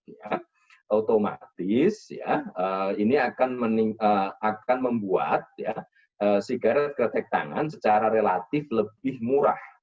jadi otomatis ini akan membuat sigaret kretek tangan secara relatif lebih murah